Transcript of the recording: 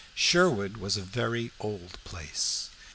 Sherwood was a very old place.